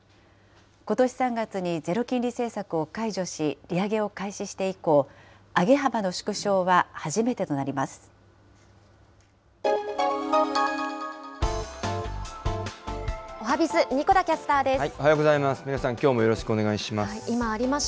ことし３月にゼロ金利政策を解除し、利上げを開始して以降、上げ幅の縮小は初めてとなります。